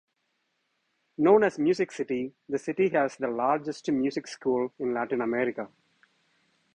Known as "Music City", the city has the largest music school in Latin America.